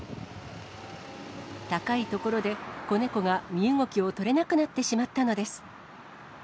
高い所で、子猫が身動きを取れなくなってしまったのです。